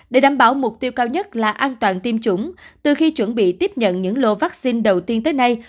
để đảm bảo mục tiêu cao nhất là an toàn tiêm chủng từ khi chuẩn bị tiếp nhận những lô vaccine đầu tiên tới nay